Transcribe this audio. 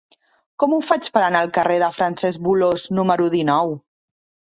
Com ho faig per anar al carrer de Francesc Bolòs número dinou?